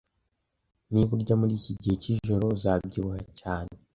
Niba urya muri iki gihe cyijoro, uzabyibuha cyane